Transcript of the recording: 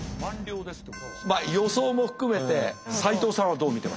予想も含めて斎藤さんはどう見てましたか？